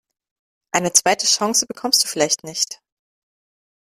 Eine zweite Chance bekommst du vielleicht nicht.